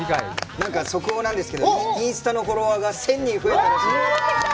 何か速報なんですけど、インスタのフォロワーが１０００人増えたらしいです。